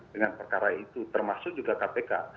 dengan perkara itu termasuk juga kpk